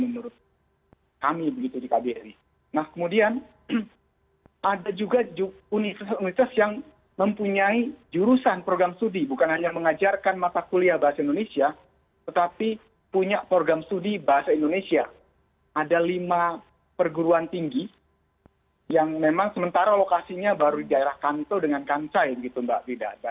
ya ada dua universitas yang punya program studi bahasa indonesia seperti yang saya sampaikan sebelumnya ya